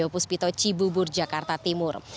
puspito cibubur jakarta timur